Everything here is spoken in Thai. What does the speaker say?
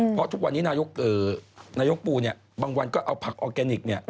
เพราะทุกวันนี้นายกปูบางวันก็เอาผักออร์แกนิค